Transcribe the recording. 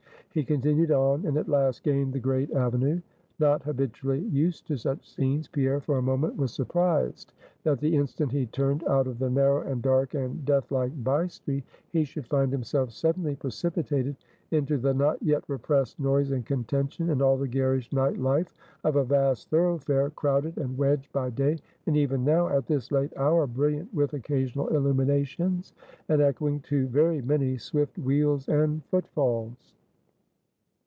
He continued on, and at last gained the great avenue. Not habitually used to such scenes, Pierre for a moment was surprised, that the instant he turned out of the narrow, and dark, and death like bye street, he should find himself suddenly precipitated into the not yet repressed noise and contention, and all the garish night life of a vast thoroughfare, crowded and wedged by day, and even now, at this late hour, brilliant with occasional illuminations, and echoing to very many swift wheels and footfalls.